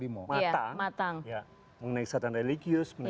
mengenai kesadaran religius